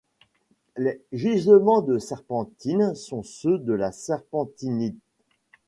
Les gisements de serpentine sont ceux de la serpentinite.